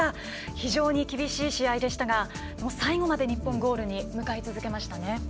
非常に厳しい試合でしたが最後まで日本ゴールに向かい続けました。